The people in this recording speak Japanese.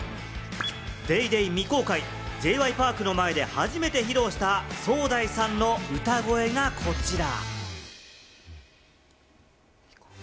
『ＤａｙＤａｙ．』未公開、Ｊ．Ｙ．Ｐａｒｋの前で初めて披露したソウダイさんの歌声が、こちら。